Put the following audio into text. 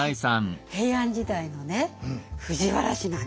平安時代のね藤原氏なんです。